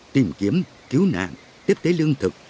tìm kiếm cứu nạn tiếp tế lương thực